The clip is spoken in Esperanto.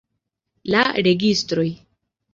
La registroj!